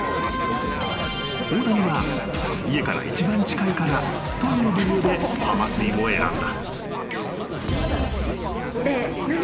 ［大谷は家から一番近いからという理由で浜水を選んだ］